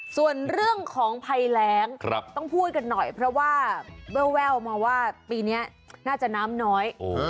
ส่วนเรื่องของภัยแรงต้องพูดกันหน่อยเพราะว่าแววมาว่าปีนี้น่าจะน้ำน้อย